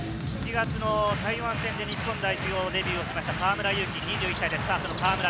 ７月、台湾戦で日本代表デビューをしました河村勇輝、２１歳です。